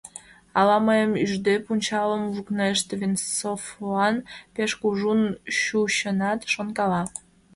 «Ала, мыйым ӱжде, пунчалым лукнешт?» — Венцовлан пеш кужун чучынат, шонкала.